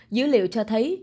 dữ liệu cho thấy